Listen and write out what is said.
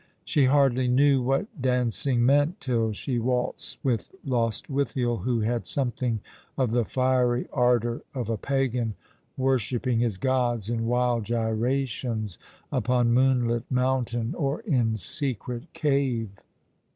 She hardly knew what dancing meant till she waltzed with Lostwithiel, who had something of the fiery ardour of a Pagan worshipping his gods in wild gyrations upon moonlit mountain or in secret cave.